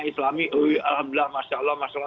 islami alhamdulillah masya allah masya allah